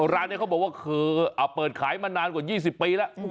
ร้านนี้เขาบอกว่าคือเปิดขายมานานกว่า๒๐ปีแล้ว